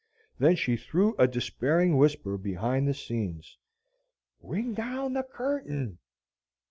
Then she threw a despairing whisper behind the scenes, "Ring down the curtain."